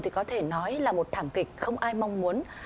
thì có thể nói là một thảm kịch không ai mong muốn